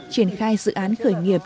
triển khai dự án khởi nghiệp